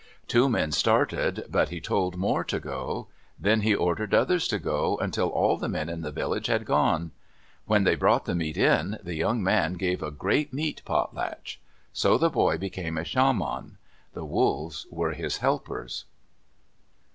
Two men started, but he told more to go. Then he ordered others to go, until all the men in the village had gone. When they brought the meat in, the young man gave a great meat potlatch. So the boy became a shaman. The wolves were his helpers.